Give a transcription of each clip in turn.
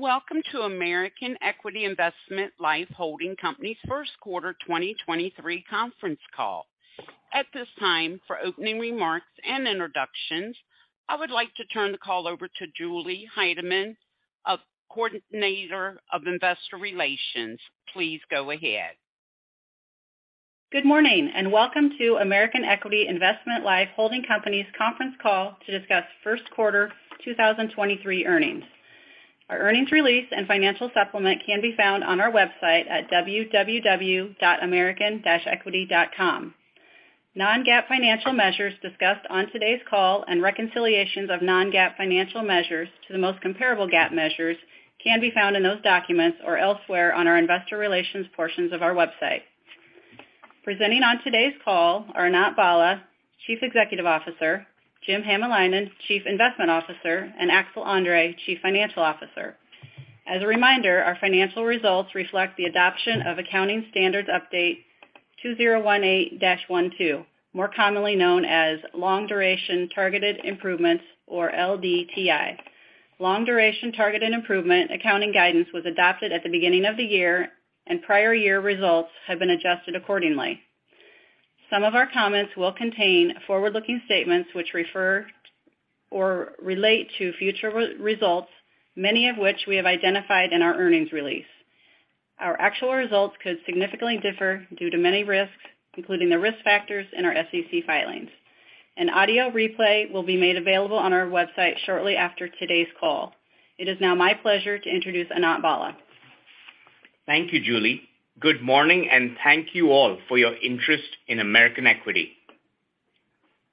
Welcome to American Equity Investment Life Holding Company's first quarter 2023 conference call. At this time, for opening remarks and introductions, I would like to turn the call over to Julie Heidemann, our coordinator of investor relations. Please go ahead. Good morning. Welcome to American Equity Investment Life Holding Company's conference call to discuss first quarter 2023 earnings. Our earnings release and financial supplement can be found on our website at www.american-equity.com. non-GAAP financial measures discussed on today's call and reconciliations of non-GAAP financial measures to the most comparable GAAP measures can be found in those documents or elsewhere on our investor relations portions of our website. Presenting on today's call are Anant Bhalla, Chief Executive Officer, Jim Hamalainen, Chief Investment Officer, and Axel André, Chief Financial Officer. As a reminder, our financial results reflect the adoption of Accounting Standards Update 2018-12, more commonly known as Long-Duration Targeted Improvements or LDTI. Long duration targeted improvement accounting guidance was adopted at the beginning of the year and prior year results have been adjusted accordingly. Some of our comments will contain forward-looking statements which refer or relate to future re-results, many of which we have identified in our earnings release. Our actual results could significantly differ due to many risks, including the risk factors in our SEC filings. An audio replay will be made available on our website shortly after today's call. It is now my pleasure to introduce Anant Bhalla. Thank you, Julie. Good morning, and thank you all for your interest in American Equity.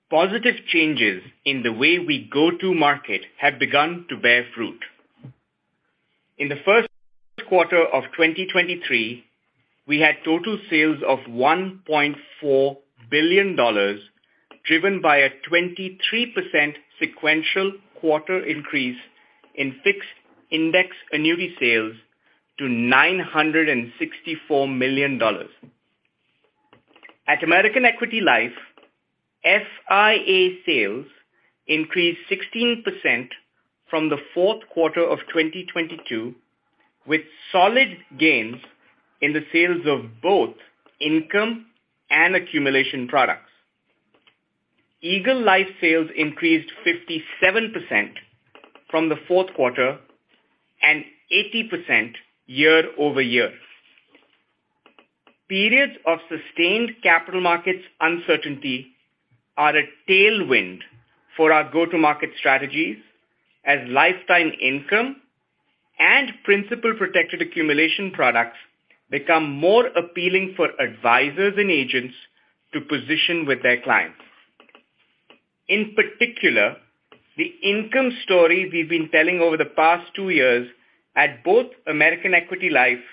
Positive changes in the way we go to market have begun to bear fruit. In the first quarter of 2023, we had total sales of $1.4 billion, driven by a 23% sequential quarter increase in fixed index annuity sales to $964 million. At American Equity Life, FIA sales increased 16% from the fourth quarter of 2022 with solid gains in the sales of both income and accumulation products. Eagle Life sales increased 57% from the fourth quarter and 80% year-over-year. Periods of sustained capital markets uncertainty are a tailwind for our go-to-market strategies as lifetime income and principal protected accumulation products become more appealing for advisors and agents to position with their clients. In particular, the income story we've been telling over the past two years at both American Equity Life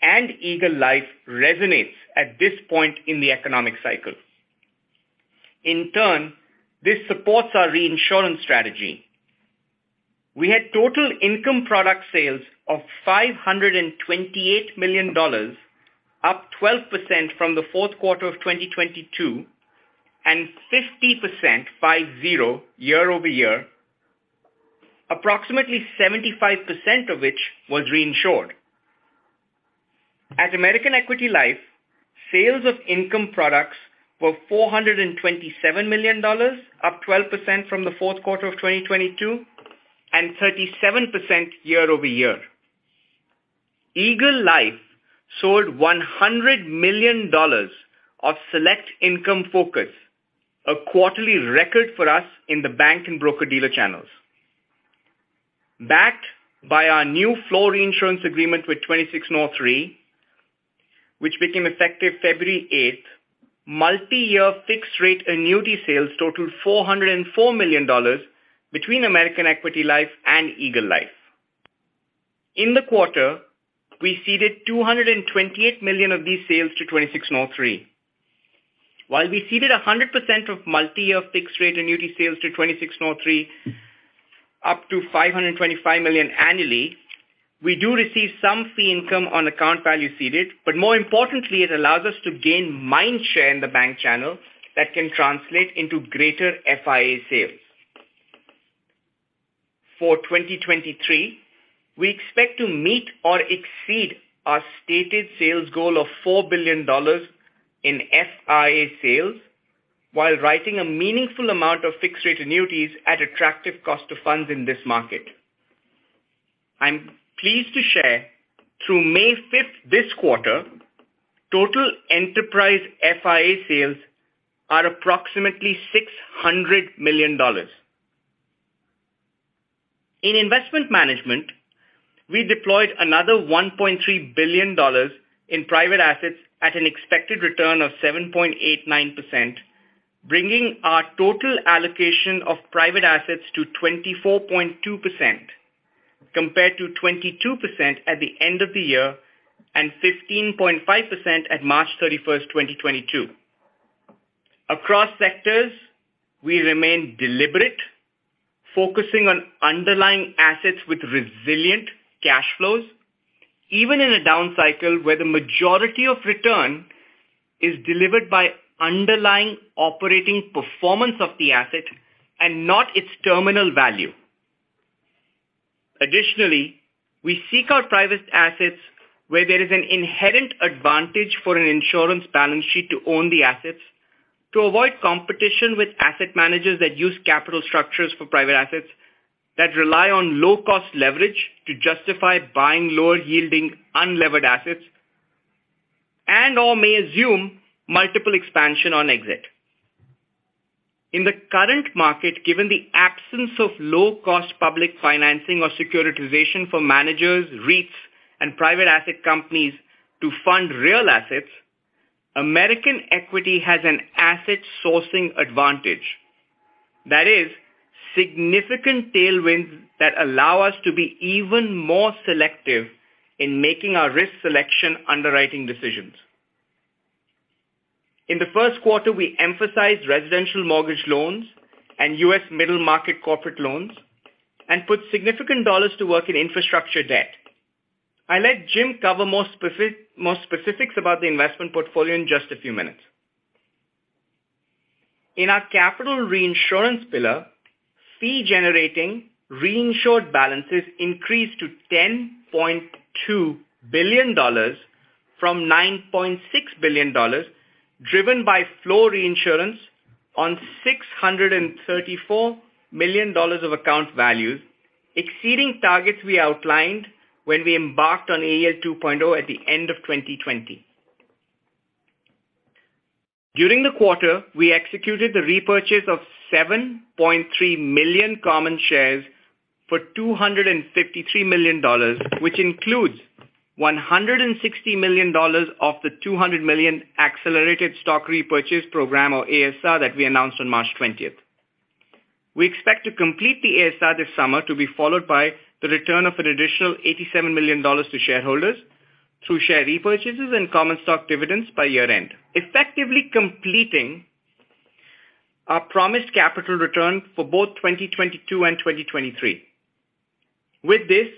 and Eagle Life resonates at this point in the economic cycle. This supports our reinsurance strategy. We had total income product sales of $528 million, up 12% from the fourth quarter of 2022 and 50% year-over-year, approximately 75% of which was reinsured. At American Equity Life, sales of income products were $427 million, up 12% from the fourth quarter of 2022 and 37% year-over-year. Eagle Life sold $100 million of Select Income Focus, a quarterly record for us in the bank and broker-dealer channels. Backed by our new floor reinsurance agreement with 26North Re, which became effective February 8th, multi-year fixed rate annuity sales totaled $404 million between American Equity Life and Eagle Life. In the quarter, we ceded $228 million of these sales to 26North Re. While we ceded 100% of multi-year fixed rate annuity sales to 26North Re up to $525 million annually, we do receive some fee income on account value ceded, but more importantly, it allows us to gain mind share in the bank channel that can translate into greater FIA sales. For 2023, we expect to meet or exceed our stated sales goal of $4 billion in FIA sales while writing a meaningful amount of fixed rate annuities at attractive cost to funds in this market. I'm pleased to share through May 5th this quarter, total enterprise FIA sales are approximately $600 million. In investment management, we deployed another $1.3 billion in private assets at an expected return of 7.89%, bringing our total allocation of private assets to 24.2% compared to 22% at the end of the year and 15.5% at March 31st, 2022. Across sectors, we remain deliberate, focusing on underlying assets with resilient cash flows. Even in a down cycle where the majority of return is delivered by underlying operating performance of the asset and not its terminal value. Additionally, we seek out private assets where there is an inherent advantage for an insurance balance sheet to own the assets to avoid competition with asset managers that use capital structures for private assets that rely on low-cost leverage to justify buying lower yielding unlevered assets and/or may assume multiple expansion on exit. In the current market, given the absence of low-cost public financing or securitization for managers, REITs, and private asset companies to fund real assets, American Equity has an asset sourcing advantage. That is significant tailwinds that allow us to be even more selective in making our risk selection underwriting decisions. In the first quarter, we emphasized residential mortgage loans and U.S. middle market corporate loans and put significant dollars to work in infrastructure debt. I'll let Jim cover more specifics about the investment portfolio in just a few minutes. In our capital reinsurance pillar, fee generating reinsured balances increased to $10.2 billion from $9.6 billion, driven by flow reinsurance on $634 million of account values, exceeding targets we outlined when we embarked on AEL 2.0 at the end of 2020. During the quarter, we executed the repurchase of 7.3 million common shares for $253 million, which includes $160 million of the $200 million accelerated stock repurchase program, or ASR, that we announced on March 20th. We expect to complete the ASR this summer to be followed by the return of an additional $87 million to shareholders through share repurchases and common stock dividends by year-end, effectively completing our promised capital return for both 2022 and 2023. With this,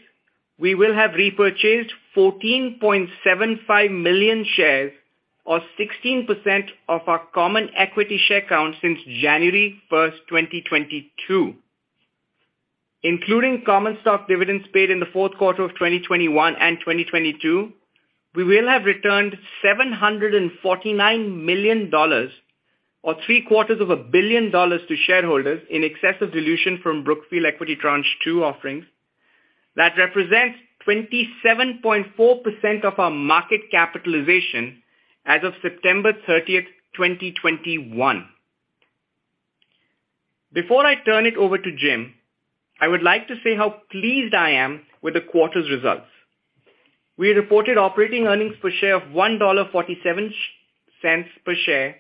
we will have repurchased 14.75 million shares or 16% of our common equity share count since January 1, 2022. Including common stock dividends paid in the fourth quarter of 2021 and 2022, we will have returned $749 million or three-quarters of a billion dollars to shareholders in excess of dilution from Brookfield Equity Tranche two offerings. That represents 27.4% of our market capitalization as of September 30, 2021. Before I turn it over to Jim, I would like to say how pleased I am with the quarter's results. We reported operating earnings per share of $1.47 per share,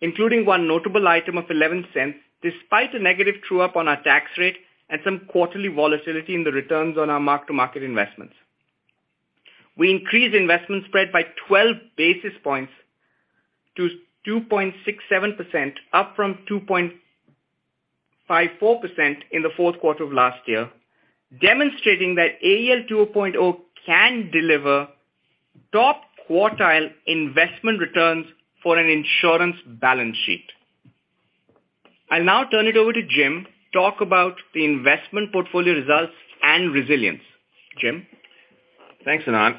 including one notable item of $0.11, despite a negative true-up on our tax rate and some quarterly volatility in the returns on our mark-to-market investments. We increased investment spread by 12 basis points to 2.67% up from 2.54% in the fourth quarter of last year, demonstrating that AEL 2.0 can deliver top quartile investment returns for an insurance balance sheet. I'll now turn it over to Jim to talk about the investment portfolio results and resilience. Jim? Thanks, Anant.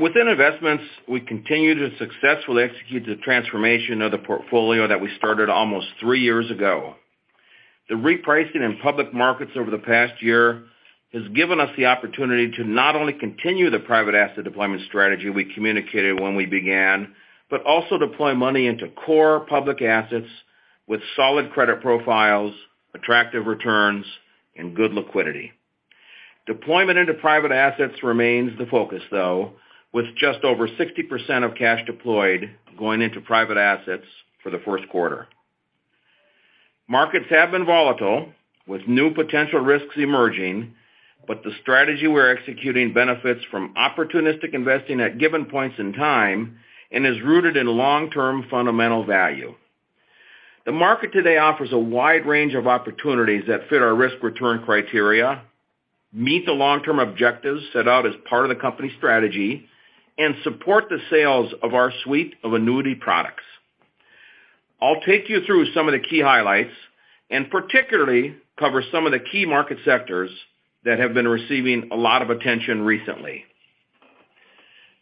Within investments, we continue to successfully execute the transformation of the portfolio that we started almost three years ago. The repricing in public markets over the past year has given us the opportunity to not only continue the private asset deployment strategy we communicated when we began, but also deploy money into core public assets with solid credit profiles, attractive returns, and good liquidity. Deployment into private assets remains the focus, though, with just over 60% of cash deployed going into private assets for the first quarter. Markets have been volatile, with new potential risks emerging, the strategy we're executing benefits from opportunistic investing at given points in time and is rooted in long-term fundamental value. The market today offers a wide range of opportunities that fit our risk-return criteria, meet the long-term objectives set out as part of the company strategy, and support the sales of our suite of annuity products. I'll take you through some of the key highlights and particularly cover some of the key market sectors that have been receiving a lot of attention recently.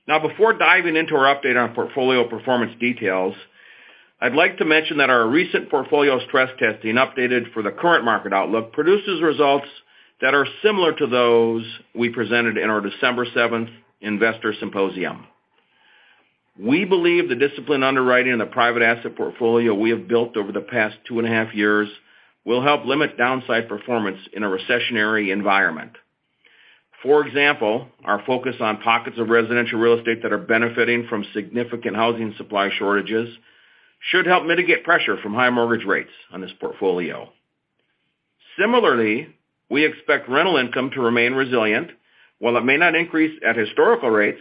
Before diving into our update on portfolio performance details, I'd like to mention that our recent portfolio stress testing updated for the current market outlook produces results that are similar to those we presented in our December 7th investor symposium. We believe the disciplined underwriting in the private asset portfolio we have built over the past two and a half years will help limit downside performance in a recessionary environment. For example, our focus on pockets of residential real estate that are benefiting from significant housing supply shortages should help mitigate pressure from high mortgage rates on this portfolio. Similarly, we expect rental income to remain resilient. While it may not increase at historical rates,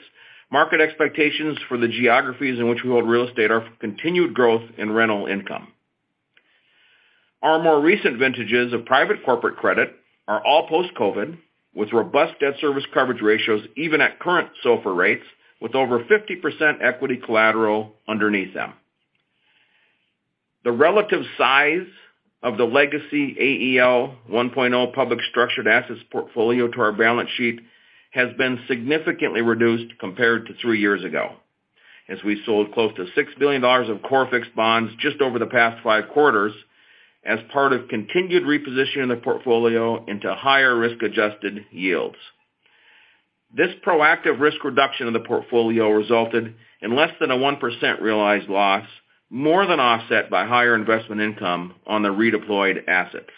market expectations for the geographies in which we hold real estate are continued growth in rental income. Our more recent vintages of private corporate credit are all post-COVID, with robust debt service coverage ratios even at current SOFR rates, with over 50% equity collateral underneath them. The relative size of the legacy AEL 1.0 public structured assets portfolio to our balance sheet has been significantly reduced compared to 3 years ago as we sold close to $6 billion of core fixed bonds just over the past 5 quarters as part of continued repositioning the portfolio into higher risk-adjusted yields. This proactive risk reduction in the portfolio resulted in less than a 1% realized loss, more than offset by higher investment income on the redeployed assets.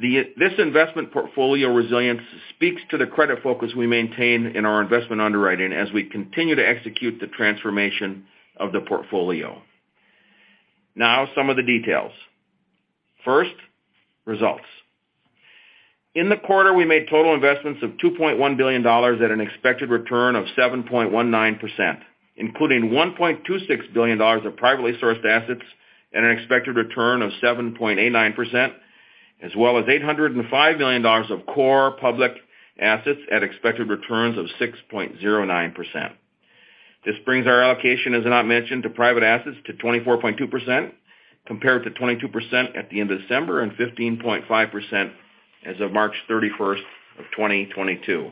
This investment portfolio resilience speaks to the credit focus we maintain in our investment underwriting as we continue to execute the transformation of the portfolio. Now, some of the details. First, results. In the quarter, we made total investments of $2.1 billion at an expected return of 7.19%, including $1.26 billion of privately sourced assets at an expected return of 7.89%, as well as $805 million of core public assets at expected returns of 6.09%. This brings our allocation, as Anant mentioned, to private assets to 24.2% compared to 22% at the end of December and 15.5% as of March 31st of 2022.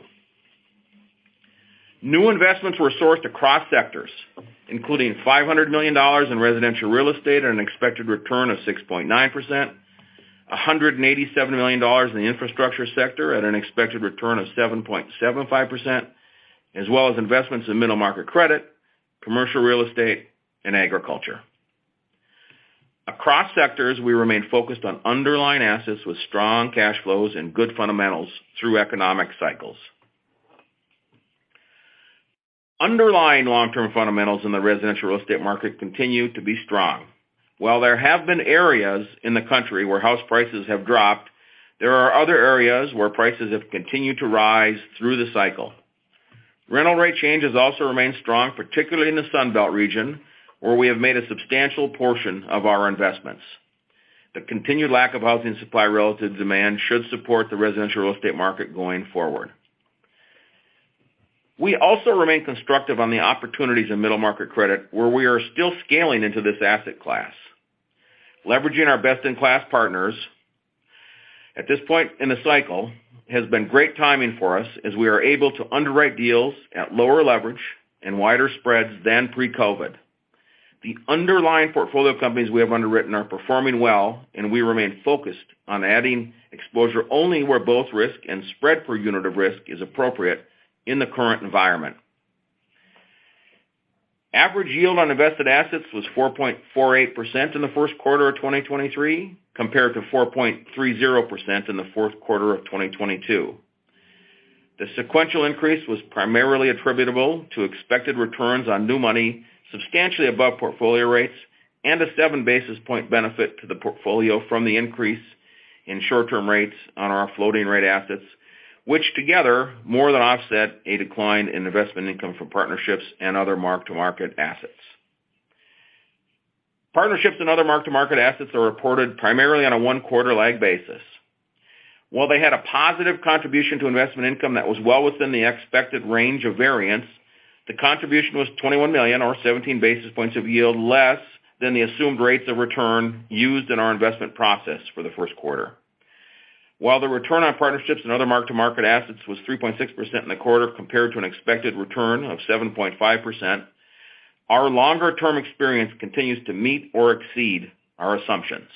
New investments were sourced across sectors, including $500 million in residential real estate at an expected return of 6.9%, $187 million in the infrastructure sector at an expected return of 7.75%, as well as investments in middle market credit, commercial real estate, and agriculture. Across sectors, we remain focused on underlying assets with strong cash flows and good fundamentals through economic cycles. Underlying long-term fundamentals in the residential real estate market continue to be strong. While there have been areas in the country where house prices have dropped, there are other areas where prices have continued to rise through the cycle. Rental rate changes also remain strong, particularly in the Sun Belt region, where we have made a substantial portion of our investments. The continued lack of housing supply relative to demand should support the residential real estate market going forward. We also remain constructive on the opportunities in middle market credit, where we are still scaling into this asset class. Leveraging our best-in-class partners at this point in the cycle has been great timing for us as we are able to underwrite deals at lower leverage and wider spreads than pre-COVID. The underlying portfolio companies we have underwritten are performing well, and we remain focused on adding exposure only where both risk and spread per unit of risk is appropriate in the current environment. Average yield on invested assets was 4.48% in the first quarter of 2023, compared to 4.30% in the fourth quarter of 2022. The sequential increase was primarily attributable to expected returns on new money substantially above portfolio rates and a 7 basis point benefit to the portfolio from the increase in short-term rates on our floating rate assets, which together more than offset a decline in investment income from partnerships and other mark-to-market assets. Partnerships and other mark-to-market assets are reported primarily on a one-quarter lag basis. While they had a positive contribution to investment income that was well within the expected range of variance, the contribution was $21 million or 17 basis points of yield less than the assumed rates of return used in our investment process for the first quarter. While the return on partnerships and other mark-to-market assets was 3.6% in the quarter compared to an expected return of 7.5%, our longer-term experience continues to meet or exceed our assumptions.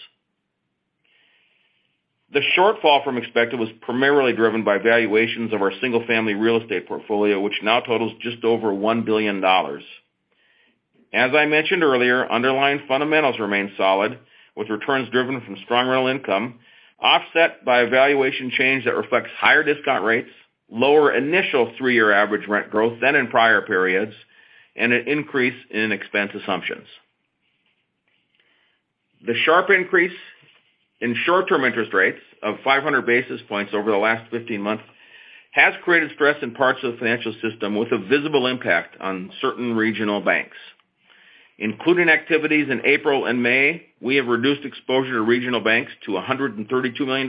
The shortfall from expected was primarily driven by valuations of our single-family real estate portfolio, which now totals just over $1 billion. As I mentioned earlier, underlying fundamentals remain solid, with returns driven from strong rental income offset by a valuation change that reflects higher discount rates, lower initial three-year average rent growth than in prior periods, and an increase in expense assumptions. The sharp increase in short-term interest rates of 500 basis points over the last 15 months has created stress in parts of the financial system with a visible impact on certain regional banks. Including activities in April and May, we have reduced exposure to regional banks to $132 million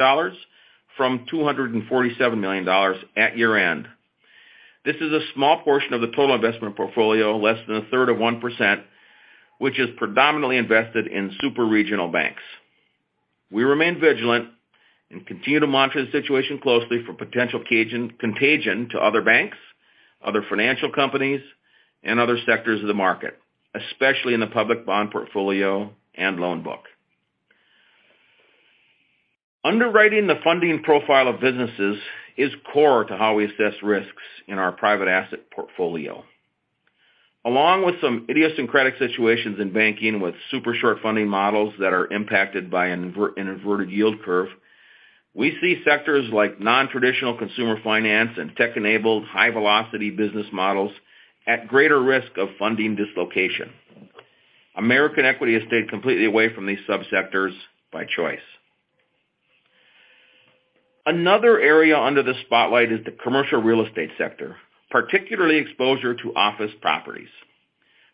from $247 million at year-end. This is a small portion of the total investment portfolio, less than a third of 1%, which is predominantly invested in super-regional banks. We remain vigilant and continue to monitor the situation closely for potential contagion to other banks, other financial companies, and other sectors of the market, especially in the public bond portfolio and loan book. Underwriting the funding profile of businesses is core to how we assess risks in our private asset portfolio. Along with some idiosyncratic situations in banking with super short funding models that are impacted by an inverted yield curve, we see sectors like non-traditional consumer finance and tech-enabled high-velocity business models at greater risk of funding dislocation. American Equity has stayed completely away from these subsectors by choice. Another area under the spotlight is the commercial real estate sector, particularly exposure to office properties.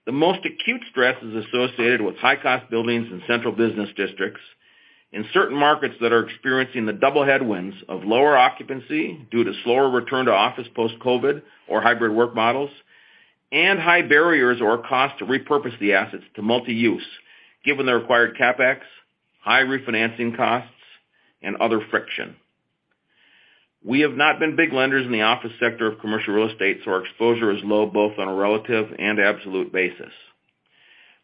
The most acute stress is associated with high cost buildings in central business districts in certain markets that are experiencing the double headwinds of lower occupancy due to slower return to office post COVID or hybrid work models and high barriers or cost to repurpose the assets to multi-use given the required CapEx, high refinancing costs and other friction. We have not been big lenders in the office sector of commercial real estate, our exposure is low both on a relative and absolute basis.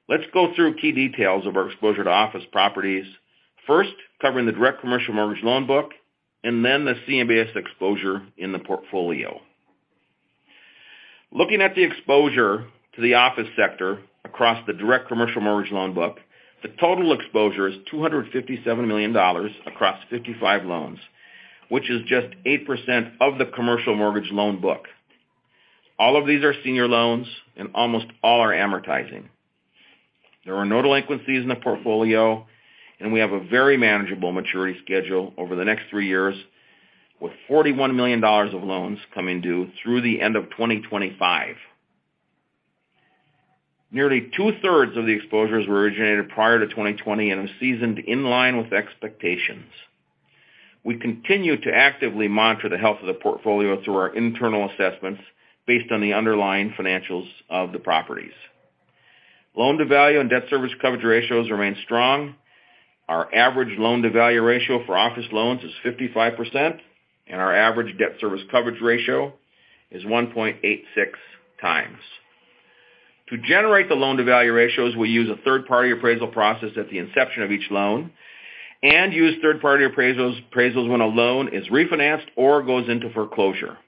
Let's go through key details of our exposure to office properties. First, covering the direct commercial mortgage loan book and then the CMBS exposure in the portfolio. Looking at the exposure to the office sector across the direct commercial mortgage loan book, the total exposure is $257 million across 55 loans, which is just 8% of the commercial mortgage loan book. All of these are senior loans and almost all are amortizing. There are no delinquencies in the portfolio. We have a very manageable maturity schedule over the next three years with $41 million of loans coming due through the end of 2025. Nearly two-thirds of the exposures were originated prior to 2020 and are seasoned in line with expectations. We continue to actively monitor the health of the portfolio through our internal assessments based on the underlying financials of the properties. Loan to value and debt service coverage ratios remain strong. Our average loan to value ratio for office loans is 55% and our average debt service coverage ratio is 1.86 times. To generate the loan to value ratios, we use a third-party appraisal process at the inception of each loan and use third-party appraisals when a loan is refinanced or goes into foreclosure.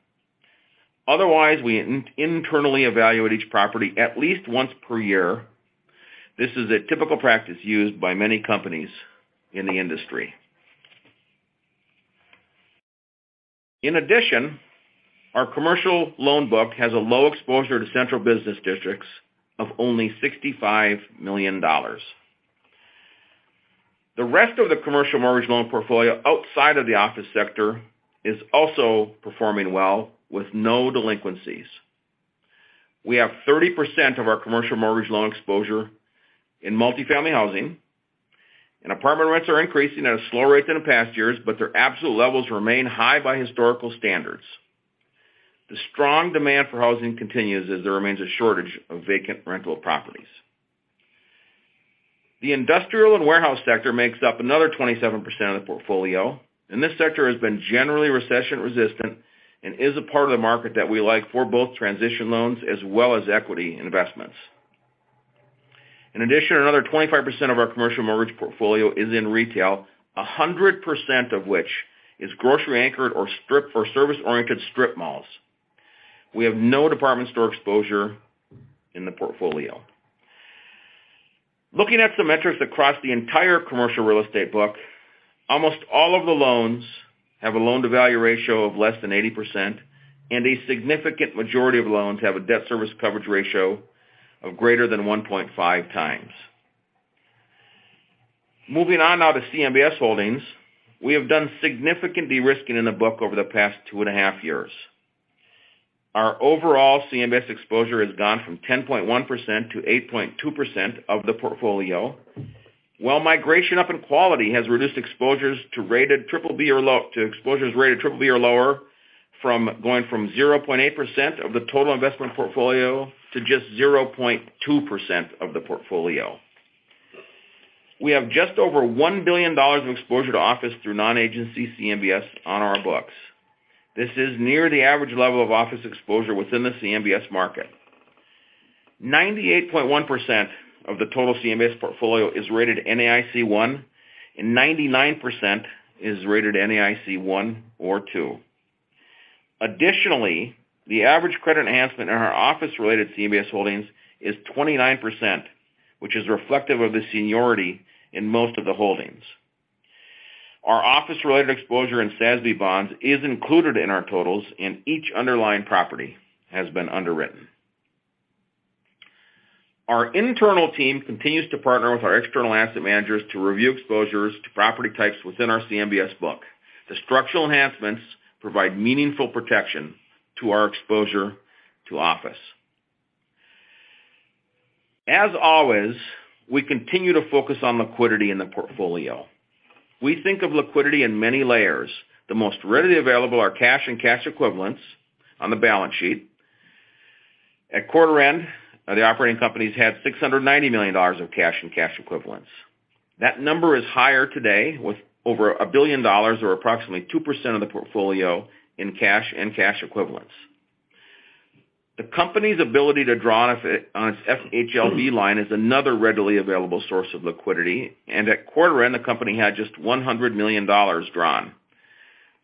Otherwise, we internally evaluate each property at least once per year. This is a typical practice used by many companies in the industry. In addition, our commercial loan book has a low exposure to central business districts of only $65 million. The rest of the commercial mortgage loan portfolio outside of the office sector is also performing well with no delinquencies. We have 30% of our commercial mortgage loan exposure in multifamily housing and apartment rents are increasing at a slower rate than in past years, but their absolute levels remain high by historical standards. The strong demand for housing continues as there remains a shortage of vacant rental properties. The industrial and warehouse sector makes up another 27% of the portfolio, and this sector has been generally recession resistant and is a part of the market that we like for both transition loans as well as equity investments. In addition, another 25% of our commercial mortgage portfolio is in retail, 100% of which is grocery anchored or strip for service-oriented strip malls. We have no department store exposure in the portfolio. Looking at some metrics across the entire commercial real estate book, almost all of the loans have a loan to value ratio of less than 80% and a significant majority of loans have a debt service coverage ratio of greater than 1.5 times. Moving on now to CMBS holdings. We have done significant de-risking in the book over the past two and a half years. Our overall CMBS exposure has gone from 10.1% to 8.2% of the portfolio, while migration up in quality has reduced exposures to rated triple B or lower from going from 0.8% of the total investment portfolio to just 0.2% of the portfolio. We have just over $1 billion of exposure to office through non-agency CMBS on our books. This is near the average level of office exposure within the CMBS market. 98.1% of the total CMBS portfolio is rated NAIC 1 and 99% is rated NAIC 1 or 2. The average credit enhancement in our office-related CMBS holdings is 29%, which is reflective of the seniority in most of the holdings. Our office-related exposure in SASB bonds is included in our totals. Each underlying property has been underwritten. Our internal team continues to partner with our external asset managers to review exposures to property types within our CMBS book. The structural enhancements provide meaningful protection to our exposure to office. As always, we continue to focus on liquidity in the portfolio. We think of liquidity in many layers. The most readily available are cash and cash equivalents on the balance sheet. At quarter end, the operating companies had $690 million of cash and cash equivalents. That number is higher today, with over $1 billion or approximately 2% of the portfolio in cash and cash equivalents. The company's ability to draw on its FHLB line is another readily available source of liquidity, and at quarter end, the company had just $100 million drawn.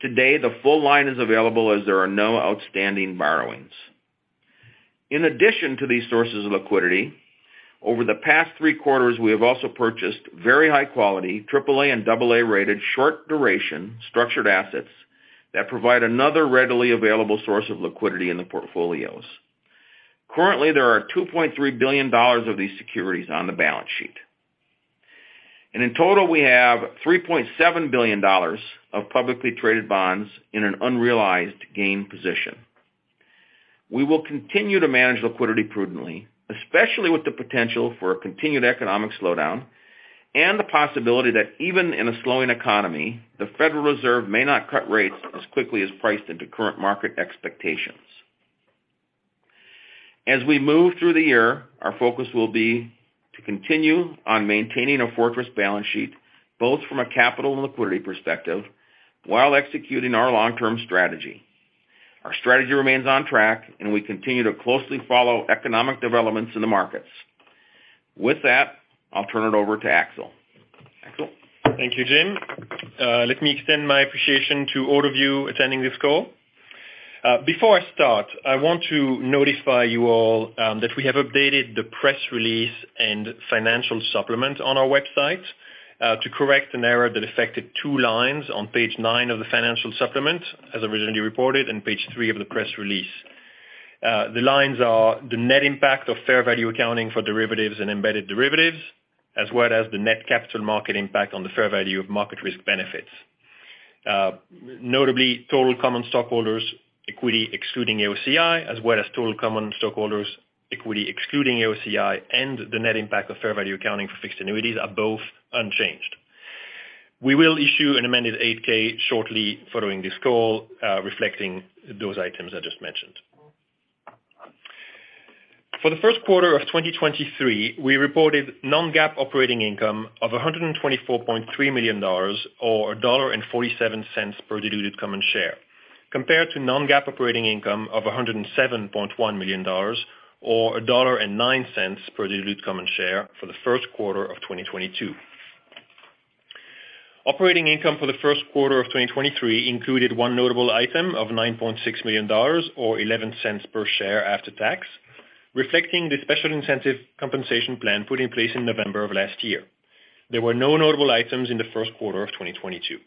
Today, the full line is available as there are no outstanding borrowings. In addition to these sources of liquidity, over the past three quarters, we have also purchased very high quality AAA and AA rated short duration structured assets that provide another readily available source of liquidity in the portfolios. Currently, there are $2.3 billion of these securities on the balance sheet. In total, we have $3.7 billion of publicly traded bonds in an unrealized gain position. We will continue to manage liquidity prudently, especially with the potential for a continued economic slowdown and the possibility that even in a slowing economy, the Federal Reserve may not cut rates as quickly as priced into current market expectations. As we move through the year, our focus will be to continue on maintaining a fortress balance sheet, both from a capital and liquidity perspective, while executing our long-term strategy. Our strategy remains on track, and we continue to closely follow economic developments in the markets. With that, I'll turn it over to Axel. Axel? Thank you, Jim. Let me extend my appreciation to all of you attending this call. Before I start, I want to notify you all that we have updated the press release and financial supplement on our website to correct an error that affected two lines on page 9 of the financial supplement as originally reported in page 3 of the press release. The lines are the net impact of fair value accounting for derivatives and embedded derivatives, as well as the net capital market impact on the fair value of market risk benefits. Notably, total common stockholders equity excluding AOCI, as well as total common stockholders equity excluding AOCI and the net impact of fair value accounting for fixed annuities are both unchanged. We will issue an amended 8-K shortly following this call, reflecting those items I just mentioned. For the first quarter of 2023, we reported non-GAAP operating income of $124.3 million or $1.47 per diluted common share, compared to non-GAAP operating income of $107.1 million or $1.09 per diluted common share for the first quarter of 2022. Operating income for the first quarter of 2023 included one notable item of $9.6 million or $0.11 per share after tax, reflecting the special incentive compensation plan put in place in November of last year. There were no notable items in the first quarter of 2022.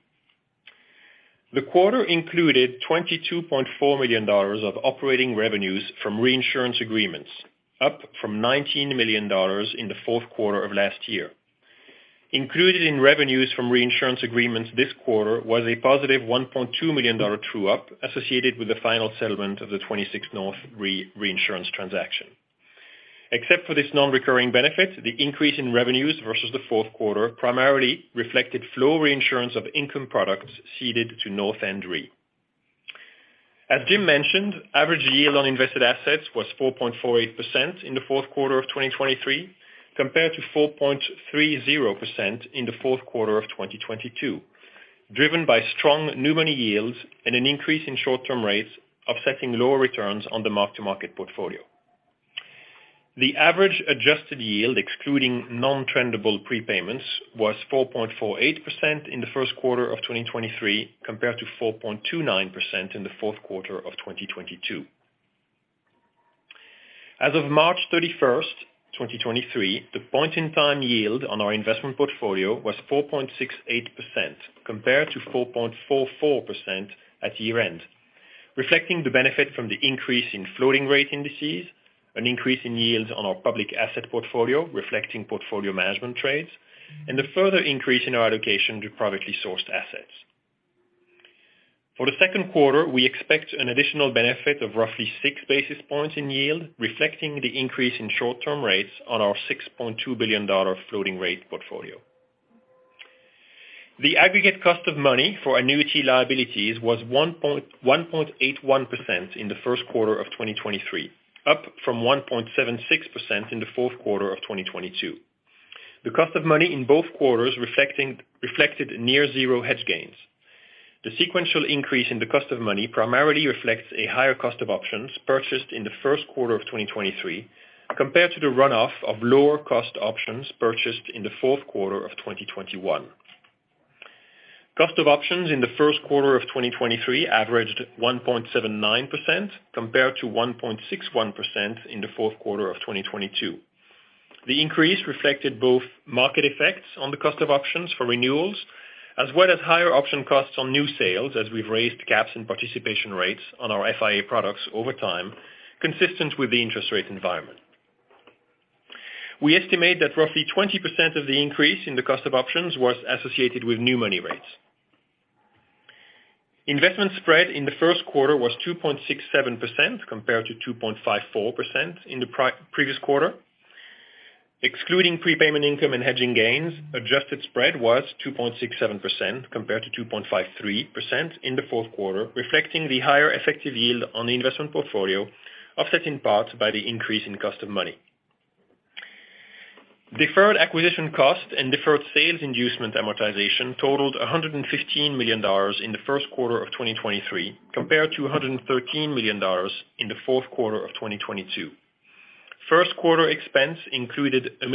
The quarter included $22.4 million of operating revenues from reinsurance agreements, up from $19 million in the fourth quarter of last year. Included in revenues from reinsurance agreements this quarter was a positive $1.2 million true-up associated with the final settlement of the 26North Re Reinsurance transaction. Except for this non-recurring benefit, the increase in revenues versus the fourth quarter primarily reflected flow reinsurance of income products ceded to North End Re. As Jim mentioned, average yield on invested assets was 4.48% in the fourth quarter of 2023, compared to 4.30% in the fourth quarter of 2022, driven by strong new money yields and an increase in short-term rates, offsetting lower returns on the mark-to-market portfolio. The average adjusted yield, excluding non-trendable prepayments, was 4.48% in the first quarter of 2023, compared to 4.29% in the fourth quarter of 2022. As of March 31, 2023, the point-in-time yield on our investment portfolio was 4.68% compared to 4.44% at year-end, reflecting the benefit from the increase in floating rate indices, an increase in yields on our public asset portfolio reflecting portfolio management trades, and the further increase in our allocation to privately sourced assets. For the second quarter, we expect an additional benefit of roughly 6 basis points in yield, reflecting the increase in short-term rates on our $6.2 billion floating rate portfolio. The aggregate cost of money for annuity liabilities was 1.81% in the first quarter of 2023, up from 1.76% in the fourth quarter of 2022. The cost of money in both quarters reflected near zero hedge gains. The sequential increase in the cost of money primarily reflects a higher cost of options purchased in the first quarter of 2023 compared to the run-off of lower cost options purchased in the fourth quarter of 2021. Cost of options in the first quarter of 2023 averaged 1.79% compared to 1.61% in the fourth quarter of 2022. The increase reflected both market effects on the cost of options for renewals as well as higher option costs on new sales as we've raised caps and participation rates on our FIA products over time, consistent with the interest rate environment. We estimate that roughly 20% of the increase in the cost of options was associated with new money rates. Investment spread in the first quarter was 2.67% compared to 2.54% in the previous quarter. Excluding prepayment income and hedging gains, adjusted spread was 2.67% compared to 2.53% in the fourth quarter, reflecting the higher effective yield on the investment portfolio, offset in part by the increase in cost of money. Deferred acquisition costs and deferred sales inducement amortization totaled $115 million in the first quarter of 2023 compared to $113 million in the fourth quarter of 2022. First quarter expense included $1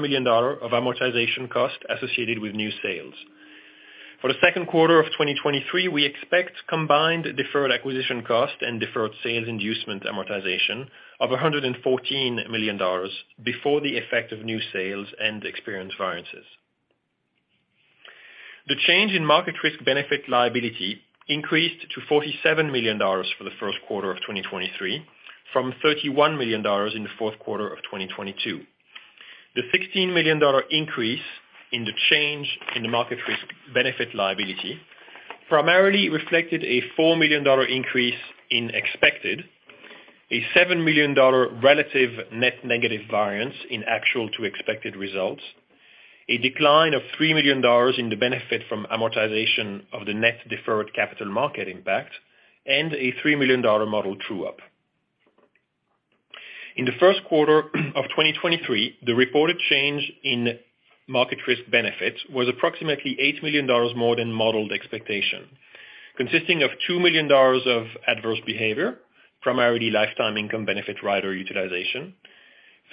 million of amortization cost associated with new sales. For the second quarter of 2023, we expect combined deferred acquisition cost and deferred sales inducement amortization of $114 million before the effect of new sales and experience variances. The change in market risk benefit liability increased to $47 million for the first quarter of 2023, from $31 million in the fourth quarter of 2022. The $16 million increase in the change in the market risk benefit liability primarily reflected a $4 million increase in expected, a $7 million relative net negative variance in actual to expected results, a decline of $3 million in the benefit from amortization of the net deferred capital market impact, and a $3 million model true up. In the 1st quarter of 2023, the reported change in market risk benefit was approximately $8 million more than modeled expectation, consisting of $2 million of adverse behavior, primarily lifetime income benefit rider utilization,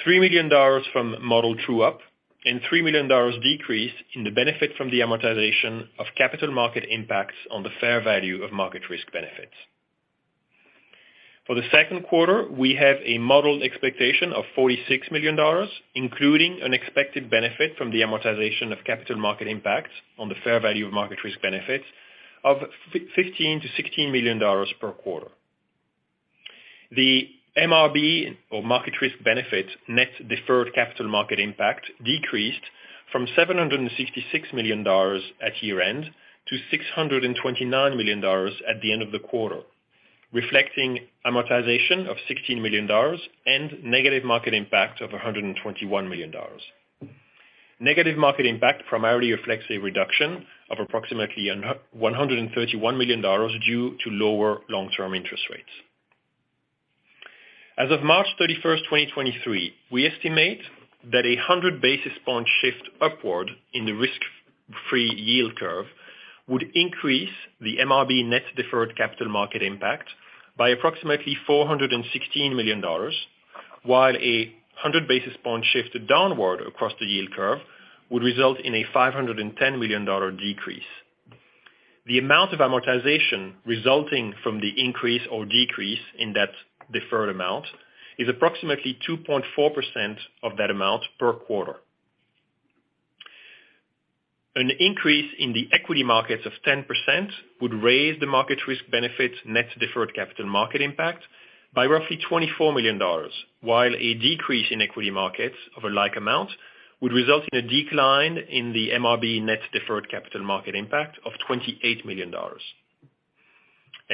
$3 million from model true up, and $3 million decrease in the benefit from the amortization of capital market impacts on the fair value of market risk benefits. For the second quarter, we have a modeled expectation of $46 million, including an expected benefit from the amortization of capital market impact on the fair value of market risk benefits of $15 million-$16 million per quarter. The MRB or market risk benefit net deferred capital market impact decreased from $766 million at year-end to $629 million at the end of the quarter, reflecting amortization of $16 million and negative market impact of $121 million. Negative market impact primarily reflects a reduction of approximately $131 million due to lower long-term interest rates. As of March 31, 2023, we estimate that a 100 basis point shift upward in the risk-free yield curve would increase the MRB net deferred capital market impact by approximately $416 million, while a 100 basis point shift downward across the yield curve would result in a $510 million decrease. The amount of amortization resulting from the increase or decrease in that deferred amount is approximately 2.4% of that amount per quarter. An increase in the equity markets of 10% would raise the market risk benefits net deferred capital market impact by roughly $24 million, while a decrease in equity markets of a like amount would result in a decline in the MRB net deferred capital market impact of $28 million.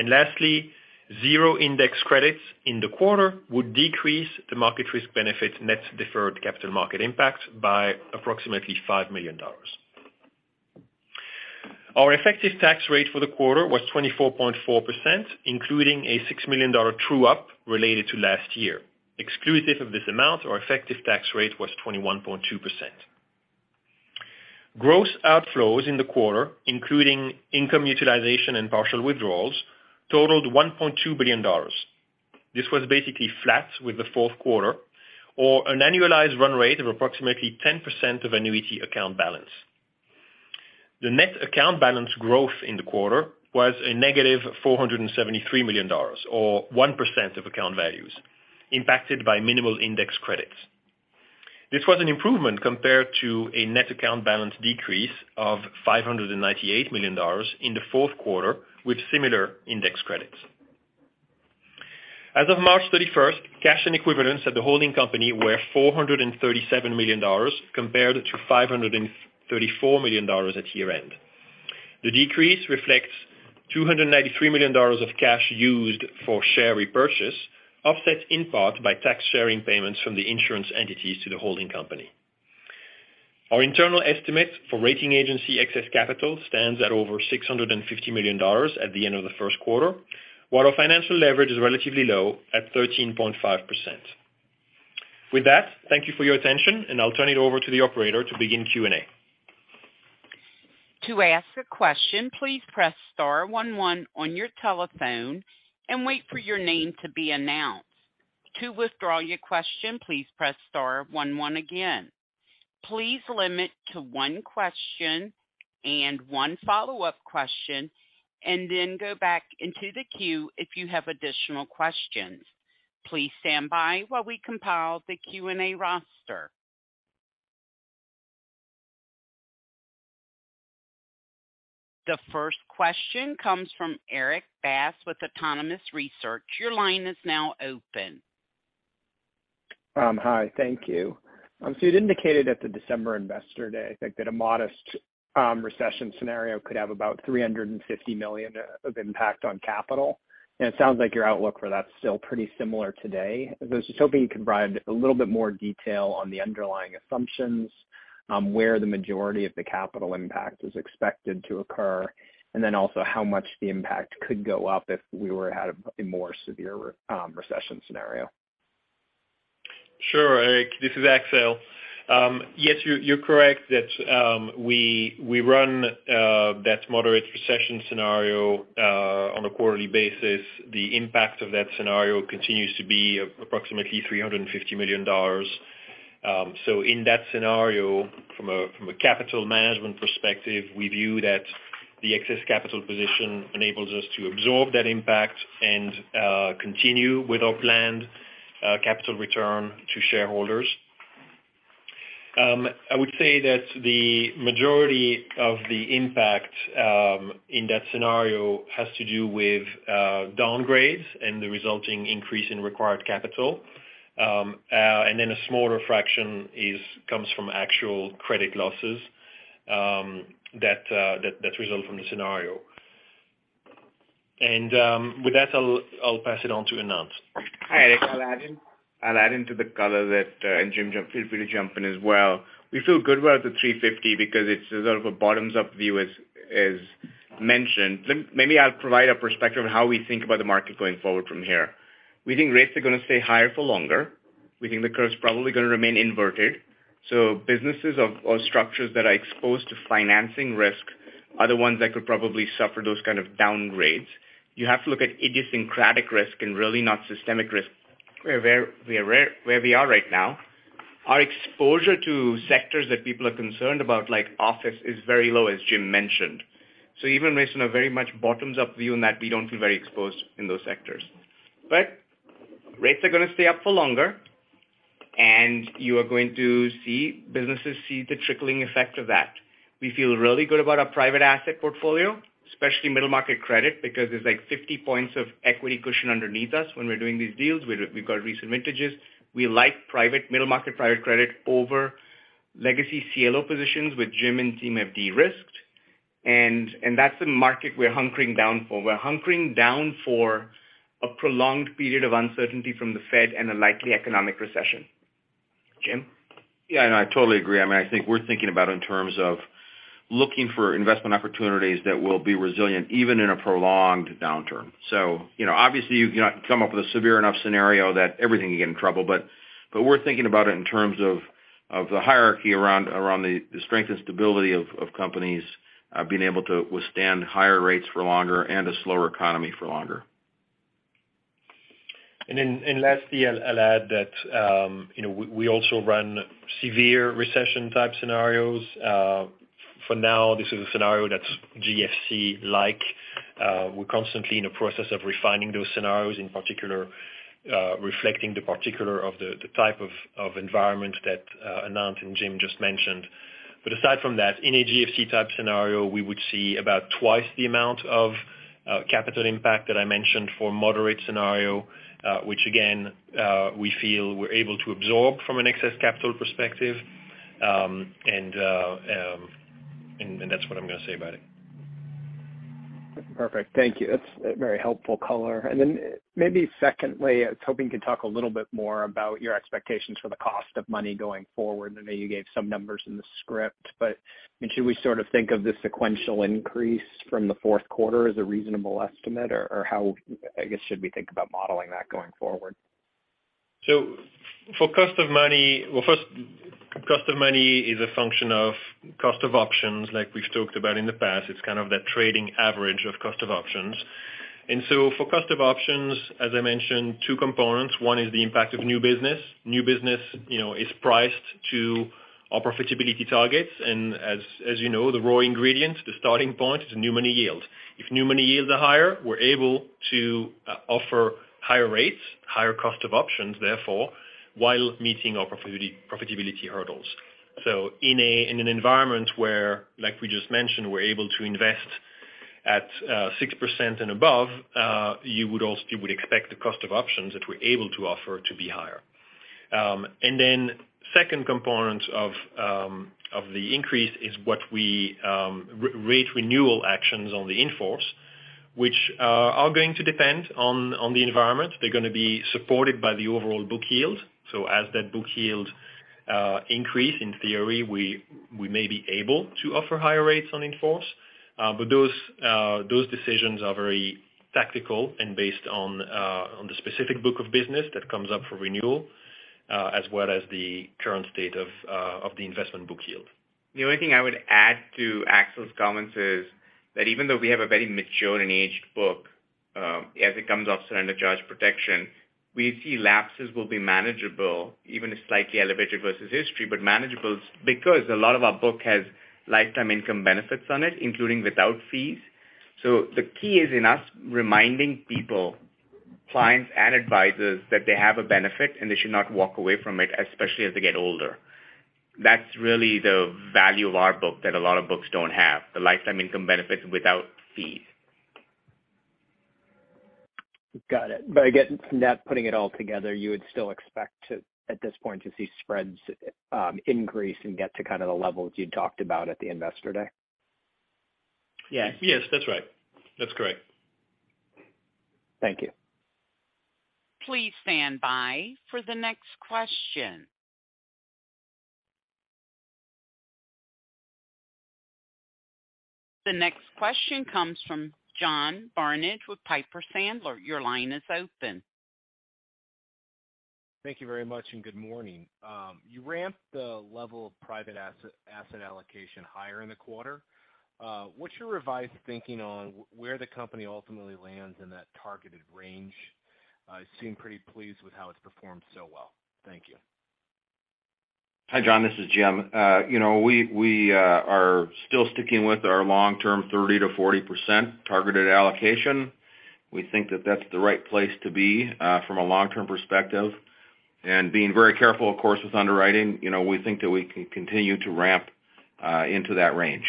Lastly, zero index credits in the quarter would decrease the market risk benefit net deferred capital market impact by approximately $5 million. Our effective tax rate for the quarter was 24.4%, including a $6 million true up related to last year. Exclusive of this amount, our effective tax rate was 21.2%. Gross outflows in the quarter, including income utilization and partial withdrawals, totaled $1.2 billion. This was basically flat with the fourth quarter or an annualized run rate of approximately 10% of annuity account balance. The net account balance growth in the quarter was a negative $473 million or 1% of account values impacted by minimal index credits. This was an improvement compared to a net account balance decrease of $598 million in the fourth quarter, with similar index credits. As of March 31st, cash and equivalents at the holding company were $437 million, compared to $534 million at year-end. The decrease reflects $293 million of cash used for share repurchase, offset in part by tax sharing payments from the insurance entities to the holding company. Our internal estimate for rating agency excess capital stands at over $650 million at the end of the first quarter, while our financial leverage is relatively low at 13.5%. With that, thank you for your attention, and I'll turn it over to the operator to begin Q&A. To ask a question, please press star one one on your telephone and wait for your name to be announced. To withdraw your question, please press star one one again. Please limit to one question and one follow-up question and then go back into the queue if you have additional questions. Please stand by while we compile the Q&A roster. The first question comes from Erik Bass with Autonomous Research. Your line is now open. Hi. Thank you. You'd indicated at the December Investor Day, I think that a modest recession scenario could have about $350 million of impact on capital. It sounds like your outlook for that's still pretty similar today. I was just hoping you could provide a little bit more detail on the underlying assumptions, where the majority of the capital impact is expected to occur, and then also how much the impact could go up if we were at a more severe recession scenario. Sure, Erik. This is Axel. Yes, you're correct that we run that moderate recession scenario on a quarterly basis. The impact of that scenario continues to be approximately $350 million. In that scenario, from a capital management perspective, we view that the excess capital position enables us to absorb that impact and continue with our planned capital return to shareholders. I would say that the majority of the impact in that scenario has to do with downgrades and the resulting increase in required capital. And then a smaller fraction comes from actual credit losses that result from the scenario. With that, I'll pass it on to Anant. Hi. I'll add in, I'll add into the color that. Jim, feel free to jump in as well. We feel good about the 350 because it's sort of a bottoms-up view as mentioned. Maybe I'll provide a perspective on how we think about the market going forward from here. We think rates are gonna stay higher for longer. We think the curve's probably gonna remain inverted. Businesses or structures that are exposed to financing risk are the ones that could probably suffer those kind of downgrades. You have to look at idiosyncratic risk and really not systemic risk where we are right now. Our exposure to sectors that people are concerned about, like office, is very low, as Jim mentioned. Even based on a very much bottoms-up view in that we don't feel very exposed in those sectors. Rates are gonna stay up for longer, and you are going to see businesses see the trickling effect of that. We feel really good about our private asset portfolio, especially middle market credit, because there's like 50 points of equity cushion underneath us when we're doing these deals. We've got recent vintages. We like middle market private credit over legacy CLO positions, which Jim and team have de-risked. That's the market we're hunkering down for. We're hunkering down for a prolonged period of uncertainty from the Fed and a likely economic recession. Jim? I totally agree. I mean, I think we're thinking about it in terms of looking for investment opportunities that will be resilient even in a prolonged downturn. You know, obviously, you cannot come up with a severe enough scenario that everything can get in trouble, but we're thinking about it in terms of the hierarchy around the strength and stability of companies being able to withstand higher rates for longer and a slower economy for longer. Lastly, I'll add that, you know, we also run severe recession type scenarios. For now, this is a scenario that's GFC-like. We're constantly in the process of refining those scenarios, in particular, reflecting the particular of the type of environment that Anant and Jim just mentioned. Aside from that, in a GFC type scenario, we would see about twice the amount of capital impact that I mentioned for moderate scenario, which again, we feel we're able to absorb from an excess capital perspective. That's what I'm gonna say about it. Perfect. Thank you. That's a very helpful color. Then maybe secondly, I was hoping you could talk a little bit more about your expectations for the cost of money going forward. I know you gave some numbers in the script, but I mean, should we sort of think of the sequential increase from the fourth quarter as a reasonable estimate? Or how, I guess, should we think about modeling that going forward? Well, first, cost of money is a function of cost of options like we've talked about in the past. It's kind of that trading average of cost of options. For cost of options, as I mentioned, two components. One is the impact of new business. New business, you know, is priced to our profitability targets. As you know, the raw ingredient, the starting point is new money yield. If new money yields are higher, we're able to offer higher rates, higher cost of options, therefore, while meeting our profitability hurdles. In an environment where, like we just mentioned, we're able to invest at 6% and above, you would expect the cost of options that we're able to offer to be higher. Second component of the increase is what we re-rate renewal actions on the in-force, which are going to depend on the environment. They're gonna be supported by the overall book yield. As that book yield increase, in theory, we may be able to offer higher rates on in-force. Those, those decisions are very tactical and based on the specific book of business that comes up for renewal, as well as the current state of the investment book yield. The only thing I would add to Axel's comments is that even though we have a very mature and aged book, as it comes off surrender charge protection, we see lapses will be manageable, even slightly elevated versus history, but manageable because a lot of our book has lifetime income benefits on it, including without fees. The key is in us reminding people, clients and advisors that they have a benefit and they should not walk away from it, especially as they get older. That's really the value of our book that a lot of books don't have, the lifetime income benefits without fees. Got it. net putting it all together, you would still expect to, at this point, to see spreads increase and get to kind of the levels you talked about at the Investor Day? Yes. Yes, that's right. That's correct. Thank you. Please stand by for the next question. The next question comes from John Barnidge with Piper Sandler. Your line is open. Thank you very much. Good morning. You ramped the level of private asset allocation higher in the quarter. What's your revised thinking on where the company ultimately lands in that targeted range? You seem pretty pleased with how it's performed so well. Thank you. Hi, John, this is Jim. you know, we are still sticking with our long-term 30%-40% targeted allocation. We think that that's the right place to be, from a long-term perspective. Being very careful, of course, with underwriting, you know, we think that we can continue to ramp into that range.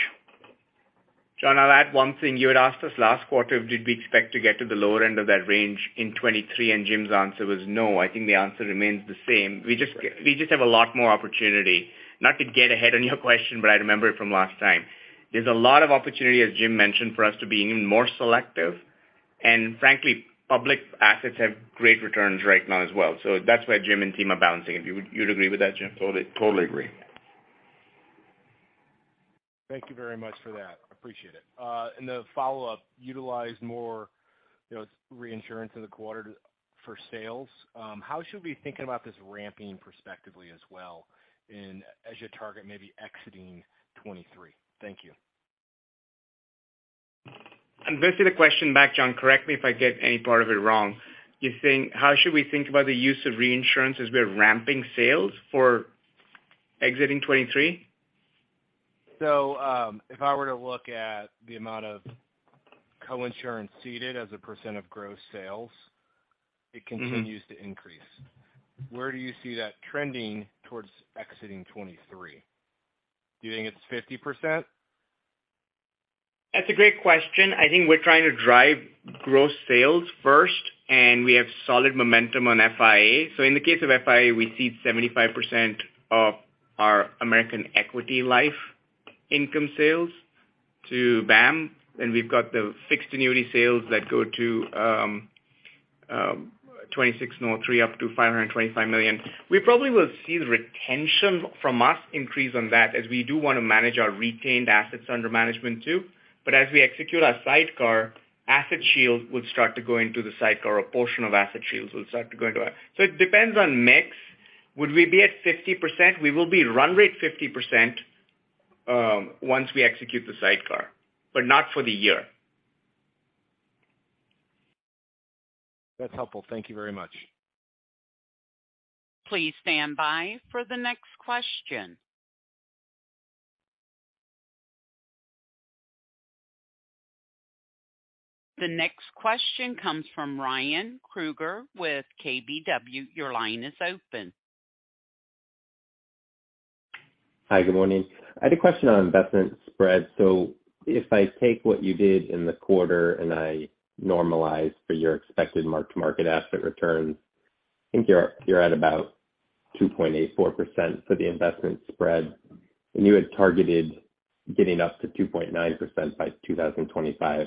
John, I'll add one thing. You had asked us last quarter, did we expect to get to the lower end of that range in 23, and Jim's answer was no. I think the answer remains the same. We just have a lot more opportunity. Not to get ahead on your question, but I remember it from last time. There's a lot of opportunity, as Jim mentioned, for us to be even more selective. Frankly, public assets have great returns right now as well. That's why Jim and team are balancing. You'd agree with that, Jim? Totally, totally agree. Thank you very much for that. Appreciate it. The follow-up, utilize more, you know, reinsurance in the quarter for sales. How should we be thinking about this ramping prospectively as well as you target maybe exiting 23? Thank you. I'm guessing the question back, John, correct me if I get any part of it wrong. You're saying, how should we think about the use of reinsurance as we're ramping sales for exiting 2023? If I were to look at the amount of coinsurance ceded as a % of gross sales.it continues to increase. Where do you see that trending towards exiting 2023? Do you think it's 50%? That's a great question. I think we're trying to drive gross sales first, and we have solid momentum on FIA. In the case of FIA, we cede 75% of our American Equity Life income sales to BAM, and we've got the fixed annuity sales that go to 26North Re up to $525 million. We probably will see the retention from us increase on that as we do wanna manage our retained assets under management too. As we execute our sidecar, AssetShield will start to go into the sidecar, or portion of AssetShields will start to go into that. It depends on mix. Would we be at 50%? We will be run rate 50% once we execute the sidecar, but not for the year. That's helpful. Thank you very much. Please stand by for the next question. The next question comes from Ryan Krueger with KBW. Your line is open. Hi, good morning. I had a question on investment spread. If I take what you did in the quarter and I normalize for your expected mark-to-market asset return, I think you're at about 2.84% for the investment spread, and you had targeted getting up to 2.9% by 2025.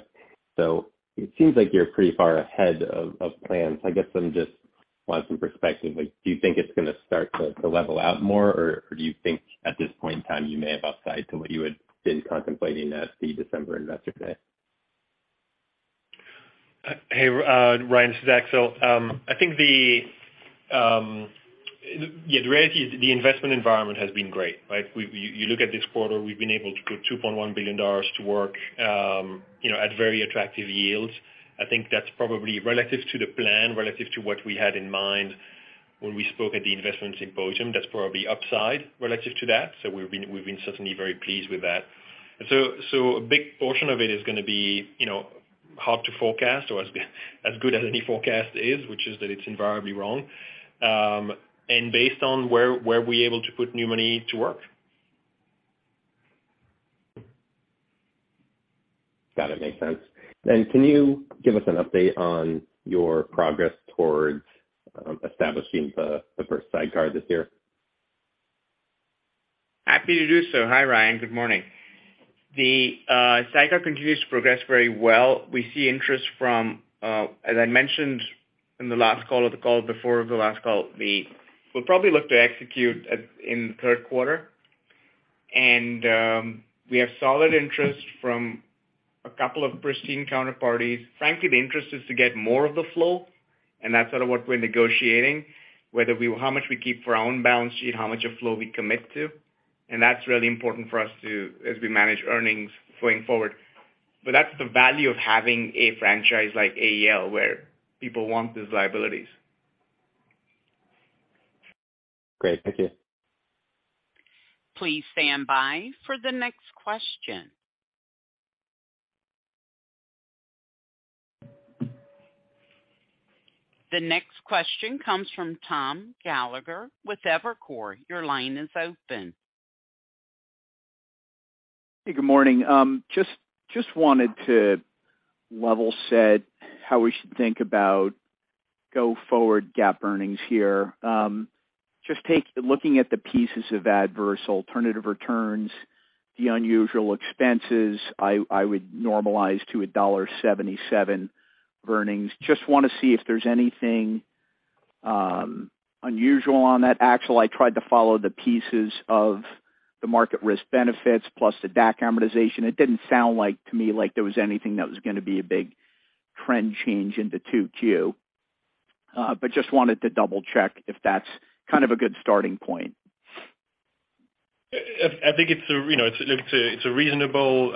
It seems like you're pretty far ahead of plan. I guess I'm just want some perspective, like, do you think it's gonna start to level out more, or do you think at this point in time, you may have upside to what you had been contemplating at the December Investor Day? Hey, Ryan, this is Axel. I think the reality is the investment environment has been great, right? You look at this quarter, we've been able to put $2.1 billion to work, you know, at very attractive yields. I think that's probably relative to the plan, relative to what we had in mind when we spoke at the investment symposium. That's probably upside relative to that. We've been certainly very pleased with that. A big portion of it is gonna be, you know, hard to forecast or as good as any forecast is, which is that it's invariably wrong, and based on where we're able to put new money to work. Got it. Makes sense. Can you give us an update on your progress towards establishing the first sidecar this year? Happy to do so. Hi, Ryan. Good morning. The sidecar continues to progress very well. We see interest from, as I mentioned in the last call or the call before the last call, we will probably look to execute in the third quarter. We have solid interest from a couple of pristine counterparties. Frankly, the interest is to get more of the flow, and that's sort of what we're negotiating, whether how much we keep for our own balance sheet, how much of flow we commit to, and that's really important for us as we manage earnings going forward. That's the value of having a franchise like AEL, where people want these liabilities. Great. Thank you. Please stand by for the next question. The next question comes from Tom Gallagher with Evercore. Your line is open. Good morning. Just wanted to level set how we should think about go forward GAAP earnings here. Looking at the pieces of adverse alternative returns, the unusual expenses, I would normalize to $1.77 earnings. Just wanna see if there's anything unusual on that. Axel, I tried to follow the pieces of the market risk benefits plus the DAC amortization. It didn't sound like to me like there was anything that was gonna be a big trend change into 2Q. Just wanted to double-check if that's kind of a good starting point. I think it's a, you know, it's a, it's a reasonable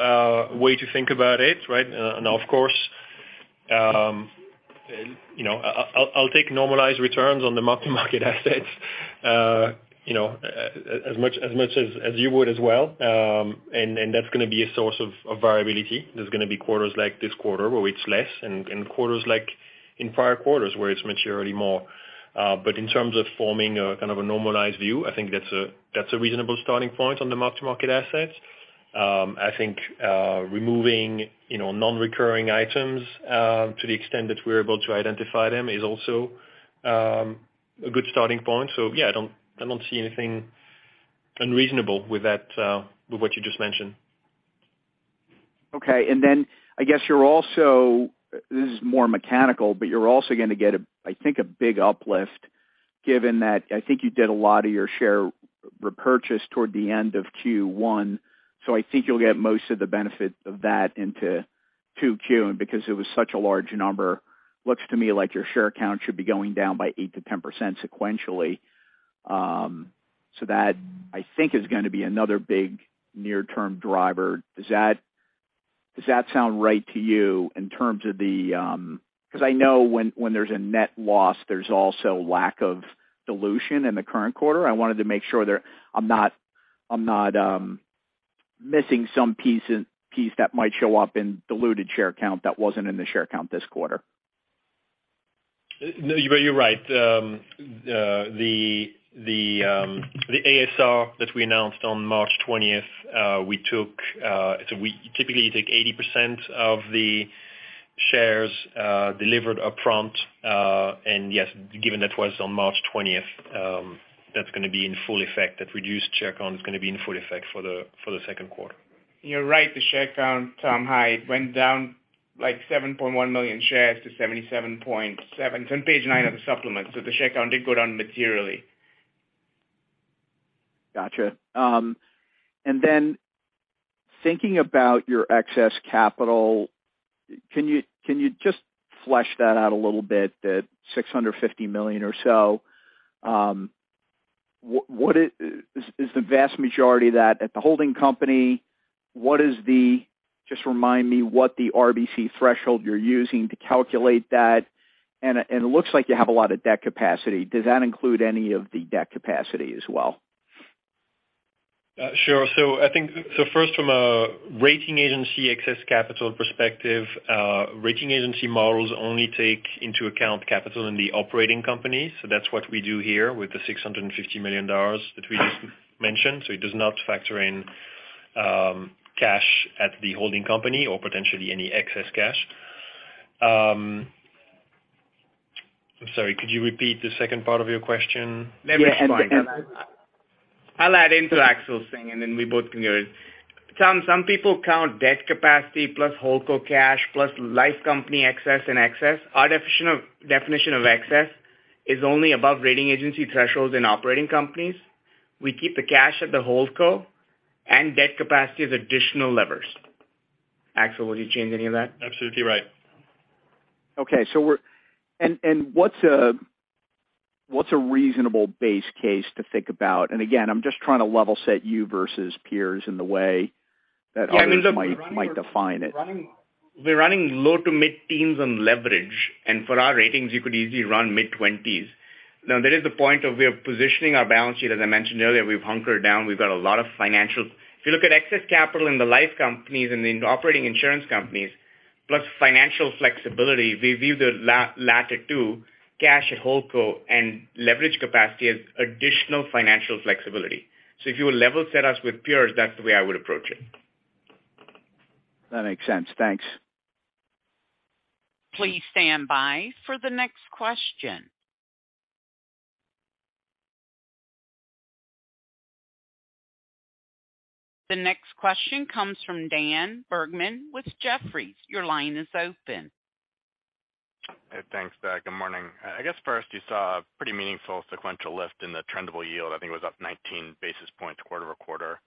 way to think about it, right? Now, of course, you know, I'll take normalized returns on the mark-to-market assets, you know, as much as you would as well. That's gonna be a source of variability. There's gonna be quarters like this quarter where it's less, and quarters like in prior quarters where it's materially more. In terms of forming a kind of a normalized view, I think that's a reasonable starting point on the mark-to-market assets. I think, removing, you know, non-recurring items, to the extent that we're able to identify them is also a good starting point. Yeah, I don't see anything unreasonable with that, with what you just mentioned. Okay. I guess you're also this is more mechanical, but you're also going to get, I think, a big uplift given that I think you did a lot of your share repurchase toward the end of Q1. I think you'll get most of the benefit of that into 2Q. Because it was such a large number, looks to me like your share count should be going down by 8%-10% sequentially. That I think is going to be another big near-term driver. Does that sound right to you in terms of the, because I know when there's a net loss, there's also lack of dilution in the current quarter? I wanted to make sure that I'm not missing some piece that might show up in diluted share count that wasn't in the share count this quarter. No, you're right. The ASR that we announced on March 20th, we took, so we typically take 80% of the shares, delivered upfront. Yes, given that was on March 20th, that's gonna be in full effect. That reduced share count is gonna be in full effect for the second quarter. You're right, the share count, Tom, high. It went down like 7.1 million shares to 77.7. It's on page 9 of the supplement. The share count did go down materially. Gotcha. Then thinking about your excess capital, can you just flesh that out a little bit, that $650 million or so? What is the vast majority of that at the holding company? What just remind me what the RBC threshold you're using to calculate that. It looks like you have a lot of debt capacity. Does that include any of the debt capacity as well? Sure. I think first from a rating agency excess capital perspective, rating agency models only take into account capital in the operating company. That's what we do here with the $650 million that we just mentioned. It does not factor in cash at the holding company or potentially any excess cash. I'm sorry, could you repeat the second part of your question? Yeah. I'll add into Axel's thing, and then we both can hear it. Tom, some people count debt capacity plus HoldCo cash plus life company excess and excess. Our definition of excess is only above rating agency thresholds in operating companies. We keep the cash at the HoldCo and debt capacity as additional levers. Axel, would you change any of that? Absolutely right. Okay. What's a reasonable base case to think about? Again, I'm just trying to level set you versus peers in the way that others might define it. We're running low to mid-teens on leverage. For our ratings you could easily run mid-20s. That is the point of we are positioning our balance sheet. As I mentioned earlier, we've hunkered down. We've got a lot of financial flexibility. If you look at excess capital in the life companies and in the operating insurance companies, plus financial flexibility, we view the latter two, cash at Holdco and leverage capacity as additional financial flexibility. If you level set us with peers, that's the way I would approach it. That makes sense. Thanks. Please stand by for the next question. The next question comes from Dan Bergman with Jefferies. Your line is open. Thanks, Beth. Good morning. I guess first you saw a pretty meaningful sequential lift in the trendable yield. I think it was up 19 basis points quarter-over-quarter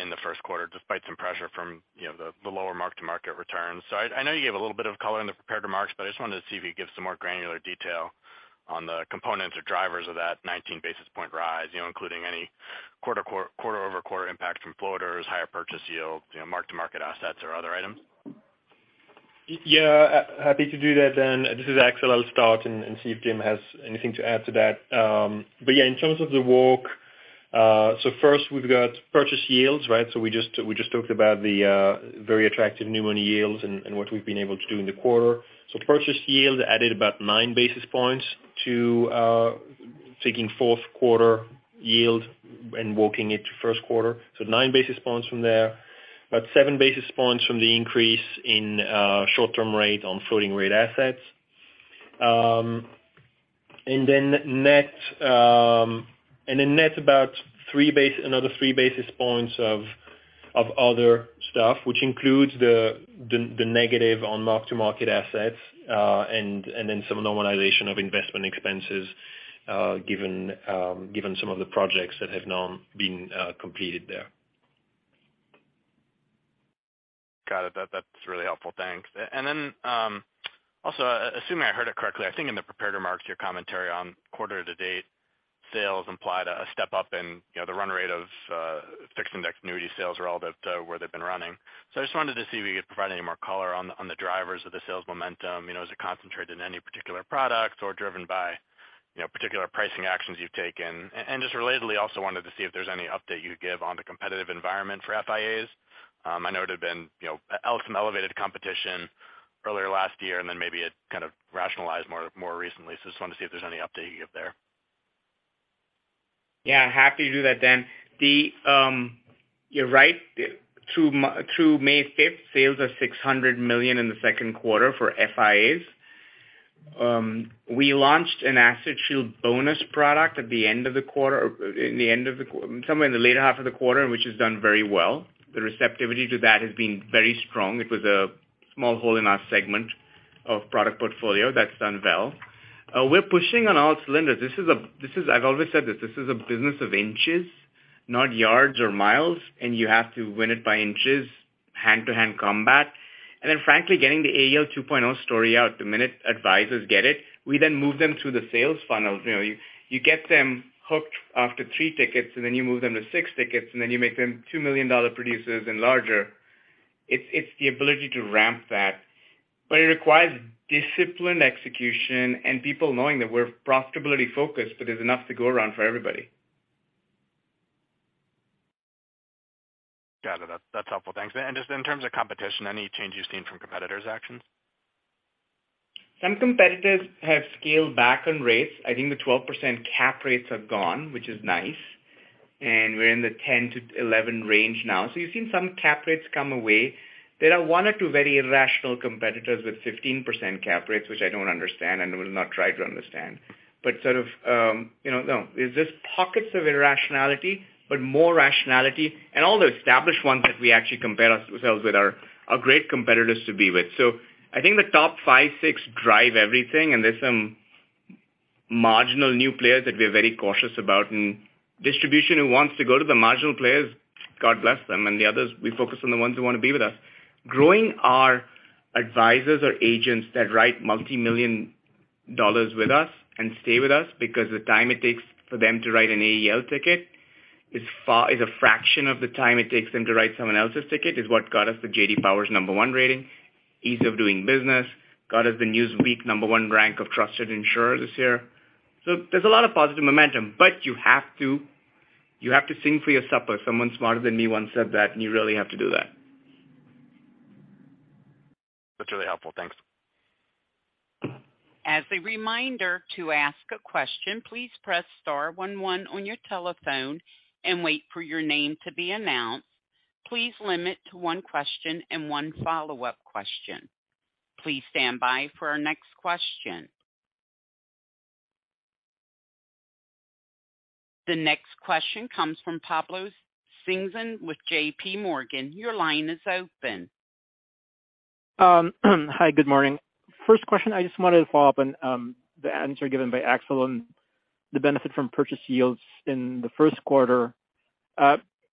in the first quarter, despite some pressure from, you know, the lower mark-to-market returns. I know you gave a little bit of color in the prepared remarks, but I just wanted to see if you could give some more granular detail on the components or drivers of that 19 basis point rise, you know, including any quarter-over-quarter impact from floaters, higher purchase yield, you know, mark-to-market assets or other items. Happy to do that then. This is Axel. I'll start and see if Jim has anything to add to that. In terms of the walk, first we've got purchase yields, right? We just talked about the very attractive new money yields and what we've been able to do in the quarter. Purchase yield added about 9 basis points to taking fourth quarter yield and walking it to first quarter. 9 basis points from there, about 7 basis points from the increase in short-term rate on floating rate assets. Then net about another 3 basis points of other stuff which includes the negative on mark-to-market assets, and then some normalization of investment expenses, given some of the projects that have now been completed there. Got it. That's really helpful. Thanks. Then, also assuming I heard it correctly, I think in the prepared remarks, your commentary on quarter to date sales implied a step up in, you know, the run rate of fixed index annuity sales relative to where they've been running. I just wanted to see if you could provide any more color on the drivers of the sales momentum. You know, is it concentrated in any particular product or driven by, you know, particular pricing actions you've taken? Just relatedly, also wanted to see if there's any update you could give on the competitive environment for FIAs. I know it had been, you know, some elevated competition earlier last year and then maybe it kind of rationalized more recently. I just wanted to see if there's any update you give there. Yeah, happy to do that, Dan. You're right. Through May fifth, sales are $600 million in the second quarter for FIAs. We launched an AssetShield bonus product at the end of the quarter, somewhere in the latter half of the quarter, which has done very well. The receptivity to that has been very strong. It was a small hole in our segment of product portfolio that's done well. We're pushing on all cylinders. I've always said this is a business of inches, not yards or miles, and you have to win it by inches, hand-to-hand combat. Frankly, getting the AEL 2.0 story out. The minute advisors get it, we then move them through the sales funnels. You know, you get them hooked after three tickets, and then you move them to six tickets, and then you make them $2 million producers and larger. It's the ability to ramp that. It requires disciplined execution and people knowing that we're profitability-focused, but there's enough to go around for everybody. Got it. That's helpful. Thanks. Just in terms of competition, any change you've seen from competitors' actions? Some competitors have scaled back on rates. I think the 12% cap rates are gone, which is nice, and we're in the 10-11 range now. You've seen some cap rates come away. There are one or two very irrational competitors with 15% cap rates, which I don't understand and will not try to understand. Sort of, you know, there's just pockets of irrationality, but more rationality. All the established ones that we actually compare ourselves with are great competitors to be with. I think the top 5, 6 drive everything, and there's some marginal new players that we're very cautious about. Distribution who wants to go to the marginal players, God bless them, and the others, we focus on the ones who wanna be with us. Growing our advisors or agents that write multimillion dollars with us and stay with us because the time it takes for them to write an AEL ticket is a fraction of the time it takes them to write someone else's ticket is what got us the J.D. Power number one rating. Ease of doing business. Got us the Newsweek number one rank of trusted insurer this year. There's a lot of positive momentum, but you have to sing for your supper. Someone smarter than me once said that, and you really have to do that. That's really helpful. Thanks. As a reminder, to ask a question, please press star one one on your telephone and wait for your name to be announced. Please limit to one question and one follow-up question. Please stand by for our next question. The next question comes from Pablo Singzon with J.P. Morgan. Your line is open. Hi, good morning. First question, I just wanted to follow up on the answer given by Axel on the benefit from purchase yields in the first quarter.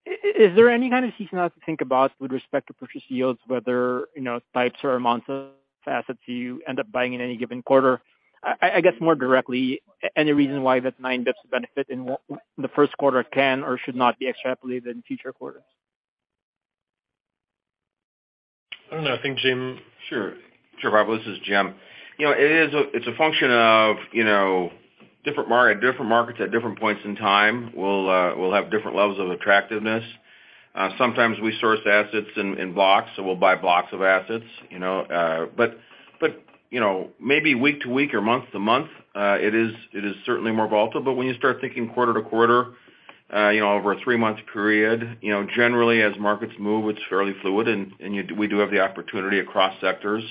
Is there any kind of seasonal to think about with respect to purchase yields, whether, you know, types or amounts of assets you end up buying in any given quarter? I guess, more directly, any reason why that nine bips benefit in the first quarter can or should not be extrapolated in future quarters? I don't know. I think Jim. Sure. Sure, Pablo, this is Jim. You know, it's a function of, you know, different markets at different points in time will have different levels of attractiveness. Sometimes we source assets in blocks, so we'll buy blocks of assets, you know. You know, maybe week to week or month to month, it is certainly more volatile. When you start thinking quarter to quarter, you know, over a three-month period, you know, generally as markets move, it's fairly fluid, and we do have the opportunity across sectors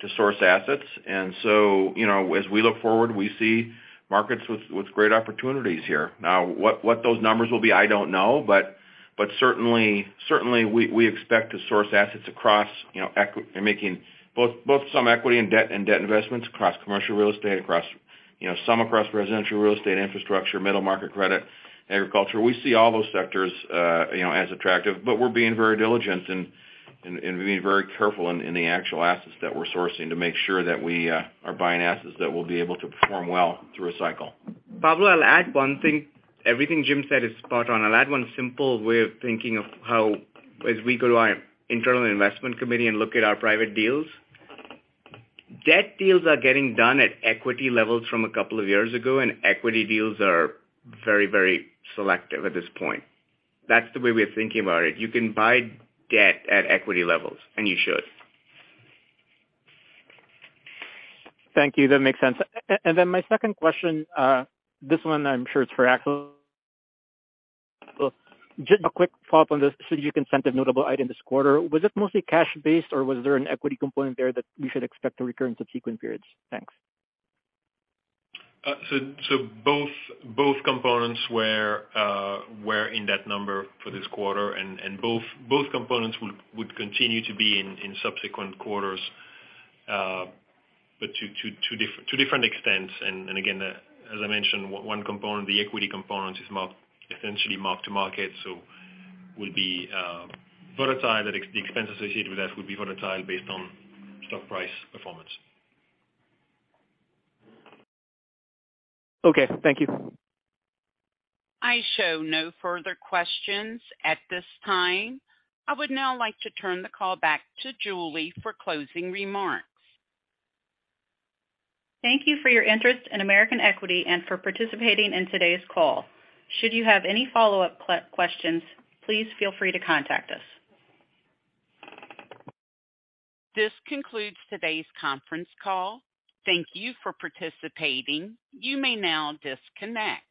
to source assets. You know, as we look forward, we see markets with great opportunities here. Now, what those numbers will be, I don't know, but certainly we expect to source assets across, you know, in making both some equity and debt investments across commercial real estate, across, you know, some across residential real estate, infrastructure, middle market credit, agriculture. We see all those sectors, you know, as attractive, but we're being very diligent and being very careful in the actual assets that we're sourcing to make sure that we are buying assets that will be able to perform well through a cycle. Pablo, I'll add one thing. Everything Jim said is spot on. I'll add one simple way of thinking of how as we go to our internal investment committee and look at our private deals. Debt deals are getting done at equity levels from a couple of years ago, and equity deals are very, very selective at this point. That's the way we're thinking about it. You can buy debt at equity levels, and you should. Thank you. That makes sense. Then my second question, this one I'm sure it's for Axel. Just a quick follow-up on the strategic incentive notable item this quarter. Was it mostly cash-based, or was there an equity component there that we should expect to recur in subsequent periods? Thanks. Both components were in that number for this quarter, and both components would continue to be in subsequent quarters, but to different extents. Again, as I mentioned, one component, the equity component, is marked, essentially mark-to-market, so will be volatile. The expense associated with that will be volatile based on stock price performance. Okay, thank you. I show no further questions at this time. I would now like to turn the call back to Julie for closing remarks. Thank you for your interest in American Equity and for participating in today's call. Should you have any follow-up questions, please feel free to contact us. This concludes today's conference call. Thank you for participating. You may now disconnect.